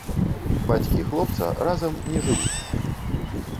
Бацькі хлопца разам не жывуць.